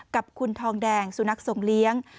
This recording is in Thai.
กับคุณทองแดงสุนัขส่งเลี้ยง